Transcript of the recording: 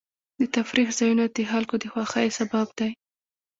د تفریح ځایونه د خلکو د خوښۍ سبب دي.